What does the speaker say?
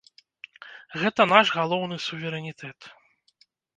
Гэта наш галоўны суверэнітэт!